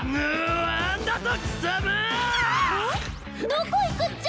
どこ行くっちゃ？